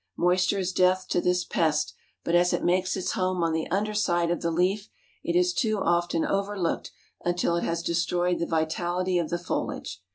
Moisture is death to this pest, but as it makes its home on the under side of the leaf, it is too often overlooked until it has destroyed the vitality of the foliage.